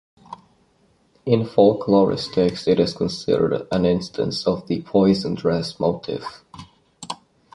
In folkloristics, it is considered an instance of the "poison dress" motif.